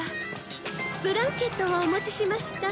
ブランケットをお持ちしました。